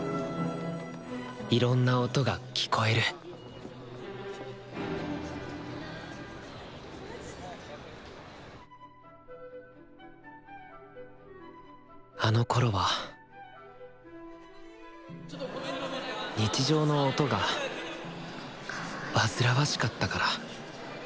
いろんな音が聴こえるあのころは日常の音が煩わしかったから。